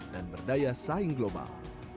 dan berdaya saing global